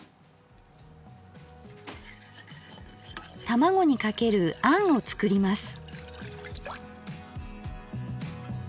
卵にかけるあんを作ります。